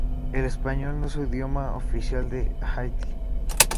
El español no es idioma oficial de Haití.